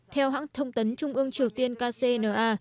theo hãng thông tấn trung ương triều tiên kcna